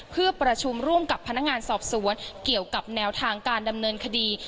เพื่อประชุมร่วมกับพนักงานสอบสวนเกี่ยวกับแนวทางการดำเนินคดี